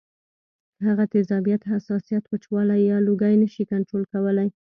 هغه تیزابیت ، حساسیت ، وچوالی یا لوګی نشي کنټرول کولی